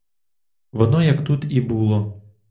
Воно як тут і було.